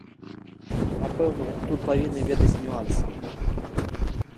Напэўна, тут павінны ведаць нюансы.